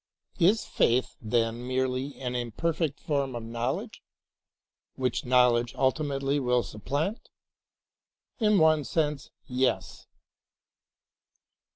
Is faith, then, merely an imperfect form of knowledge, which knowledge ultimately will supplant.^ In one sense, yes.